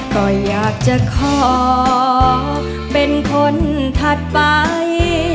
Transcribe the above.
ก็อยากจะขอเป็นคนถัดไป